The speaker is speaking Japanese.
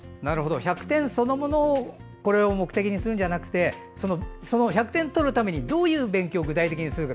１００点そのものを目的にするんじゃなくてその１００点を取るためにどういう勉強を具体的にするか